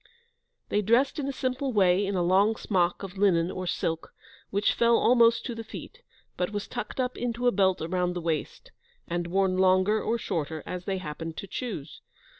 They dressed in a simple way, in a long smock of linen or silk, which fell almost to the feet, but was tucked up into a belt round the waist, and worn longer or shorter, as they happened to choose.